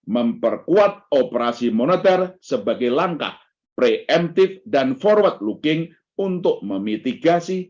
memperkuat operasi moneter sebagai langkah preemptif dan forward looking untuk memitigasi